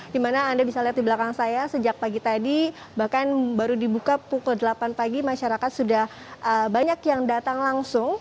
di mana anda bisa lihat di belakang saya sejak pagi tadi bahkan baru dibuka pukul delapan pagi masyarakat sudah banyak yang datang langsung